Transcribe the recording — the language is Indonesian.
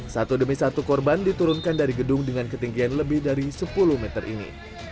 satu demi satu korban diturunkan dari gedung dengan ketinggian lebih dari sepuluh meter ini